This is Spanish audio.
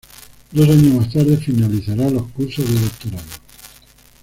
Dos años más tarde finalizará los cursos de doctorado.